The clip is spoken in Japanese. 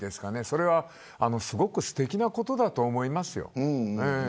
それは、すごくすてきなことだと思います。